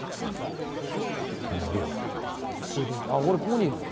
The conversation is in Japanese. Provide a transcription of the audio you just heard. あっ俺ここにいるわ。